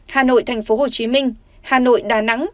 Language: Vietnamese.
hà nội tp hcm hà nội đà nẵng